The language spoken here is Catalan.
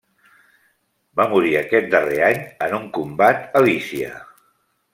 Va morir aquest darrer any en un combat a Lícia.